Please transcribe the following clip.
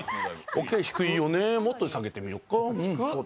オーケー、低いよねもっと下げてみようか。